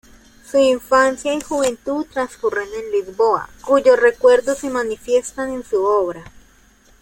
Su infancia y juventud transcurren en Lisboa, cuyos recuerdos se manifiestan en su obra.